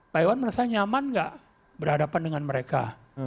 pak iwan merasa nyaman gak berhadapan dengan mereka